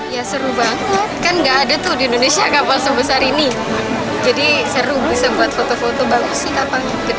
ya seru banget kan nggak ada tuh di indonesia kapal sebesar ini jadi seru bisa buat foto foto bagus sih kapal kita